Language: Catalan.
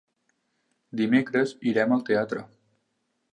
Dimecres irem al teatre.